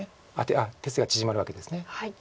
あっ手数が縮まるわけです。